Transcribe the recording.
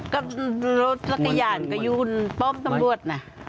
ก็รถจักรยานก็ยูนป้อมตำรวจนะ